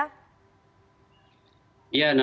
mas gun saya ingin mencari yang enak